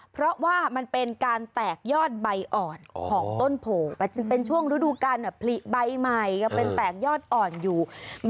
เพราะว่ามันเป็นการแตกยอดใบอ่อนของต้นโผล่เป็นช่วงฤดูการผลิใบใหม่ก็เป็นแตกยอดอ่อนอยู่